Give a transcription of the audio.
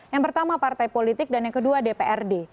yang pertama partai politik dan yang kedua dprd